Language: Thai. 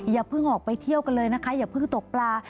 อย่าเพิ่งออกไปเที่ยวกันเลยนะคะอย่าเพิ่งตกปลา